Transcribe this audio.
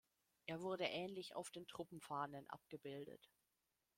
Er wurde ähnlich auf den Truppenfahnen abgebildet.